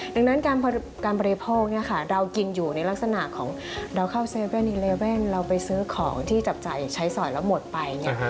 ดังนั้นการบริโภคเรากินอยู่ในลักษณะของเราเข้า๗๑๑เราไปซื้อของที่จับจ่ายใช้สอยแล้วหมดไป